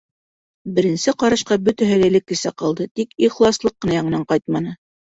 Беренсе ҡарашҡа бөтәһе лә элеккесә ҡалды, тик ихласлыҡ ҡына яңынан ҡайтманы.